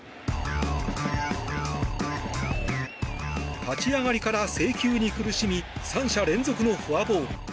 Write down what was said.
立ち上がりから制球に苦しみ３者連続のフォアボール。